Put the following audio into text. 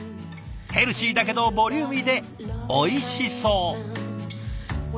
ヘルシーだけどボリューミーでおいしそう！